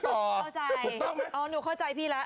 เข้าใจนุ่มเข้าใจที่พี่แล้ว